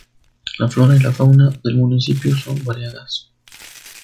La flora y la fauna del Municipio son variadas.